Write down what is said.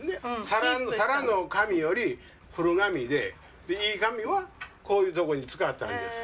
さらの紙より古紙でいい紙はこういうとこに使ったんです。